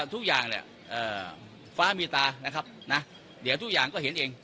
ทุกอย่างเนี่ยฟ้ามีตานะครับนะเดี๋ยวทุกอย่างก็เห็นเอง